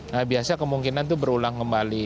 nah biasa kemungkinan itu berulang kembali